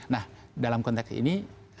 nah dalam konteks ini